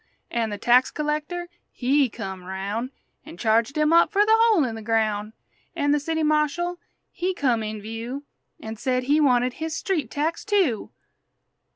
An' the tax collector, he come roun' An' charged him up fer the hole in the groun'! An' the city marshal he come in view An' said he wanted his street tax, too!